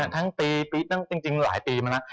ทั้งจริงหลายปีมานะ